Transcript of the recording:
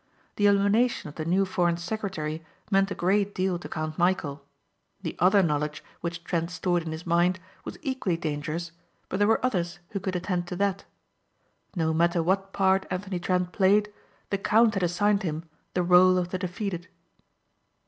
The elimination of the new Foreign Secretary meant a great deal to Count Michæl. The other knowledge which Trent stored in his mind was equally dangerous but there were others who could attend to that. No matter what part Anthony Trent played the count had assigned him the rôle of the defeated.